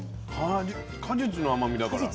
果実の甘みだから。